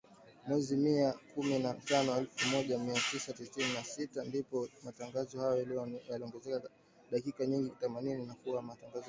Mwezi Mei, kumi na tano elfu moja mia tisa sitini na sita , ndipo matangazo hayo yaliongezewa dakika nyingine thelathini na kuwa matangazo ya saa moja